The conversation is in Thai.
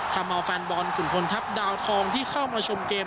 ทำเอาแฟนบอลขุนพลทัพดาวทองที่เข้ามาชมเกม